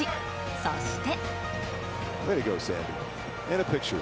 そして。